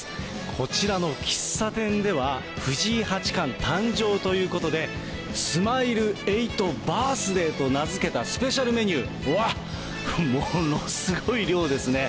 こちらの喫茶店では、藤井八冠誕生ということで、スマイル８バースデーと名付けたスペシャルメニュー、わっ、ものすごい量ですね。